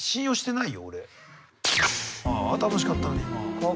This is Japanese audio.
ああ楽しかったのに今。